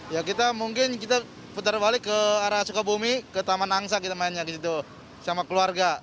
ya kita mungkin kita putar balik ke arah sukabumi ke taman angsa kita mainnya gitu sama keluarga